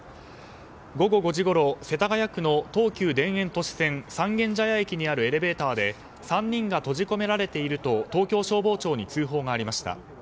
午後５時ごろ、世田谷区の東急田園都市線三軒茶屋駅のエレベーターで３人が閉じ込められていると東京消防庁に通報がありました。